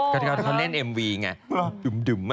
ก็เกิดเขาเล่นเอมวีไงดึมอ่ะดึม